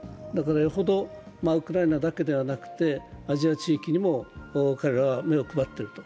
よほどウクライナだけじゃなくてアジア地域にも彼らは目を配っていると。